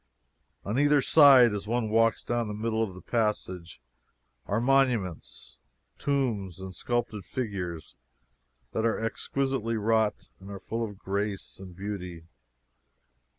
On either side, as one walks down the middle of the passage, are monuments, tombs, and sculptured figures that are exquisitely wrought and are full of grace and beauty.